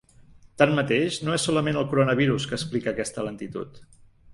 Tanmateix, no és solament el coronavirus que explica aquesta lentitud.